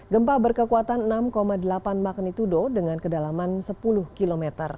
gempa berkekuatan enam delapan magnitudo dengan kedalaman sepuluh km